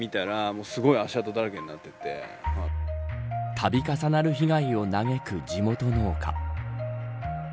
度重なる被害を嘆く地元農家。